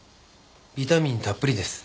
ビタミンたっぷりです。